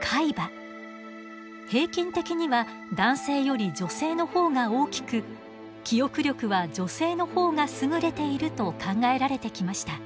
平均的には男性より女性の方が大きく記憶力は女性の方が優れていると考えられてきました。